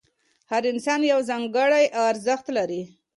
هر انسان یو ځانګړی ارزښت لري.